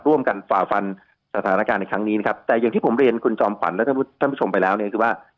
ฝ่าฟันสถานการณ์ในครั้งนี้นะครับแต่อย่างที่ผมเรียนคุณจอมขวัญและท่านผู้ชมไปแล้วเนี่ยคือว่า